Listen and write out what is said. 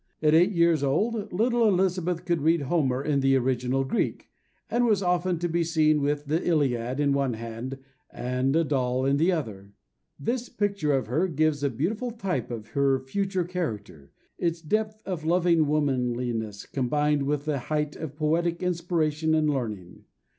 At eight years old little Elizabeth could read Homer in the original Greek, and was often to be seen with the Iliad in one hand and a doll in the other; this picture of her gives a beautiful type of her future character, its depth of loving womanliness, combined with the height of poetic inspiration and learning.